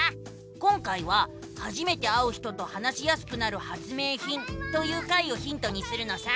今回は「初めて会う人と話しやすくなる発明品」という回をヒントにするのさ！